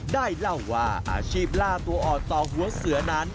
ได้เล่าว่าอาชีพล่าตัวอ่อนต่อหัวเสือนั้น